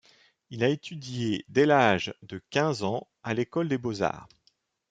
Il a étudié dès l'âge de quinze ans à l'école des Beaux-Arts.